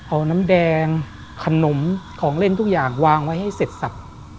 เอาน้ำแดงขนมของเล่นทุกอย่างวางไว้ให้เสร็จสับ